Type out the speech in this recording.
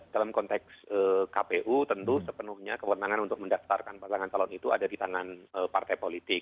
dalam konteks kpu tentu sepenuhnya kewenangan untuk mendaftarkan pasangan calon itu ada di tangan partai politik